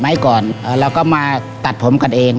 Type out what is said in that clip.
ก่อนเราก็มาตัดผมกันเอง